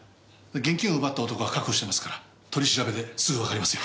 現金を奪った男は確保してますから取り調べですぐわかりますよ。